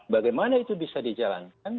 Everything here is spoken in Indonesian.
bagaimana itu bisa dijalankan